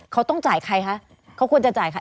เขาต้องจ่ายใครคะเขาควรจะจ่ายค่ะ